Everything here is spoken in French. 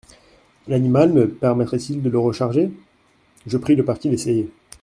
L'animal me permettrait-il de le recharger ? Je pris le parti d'essayer.